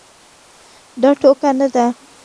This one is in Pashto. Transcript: دا ټوکه نه ده.